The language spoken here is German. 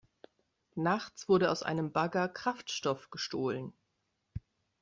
Nachts wurde aus einem Bagger Kraftstoff gestohlen.